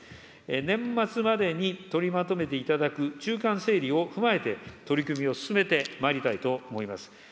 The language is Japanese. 年末までに取りまとめていただく中間整理を踏まえて、取り組みを進めてまいりたいと思います。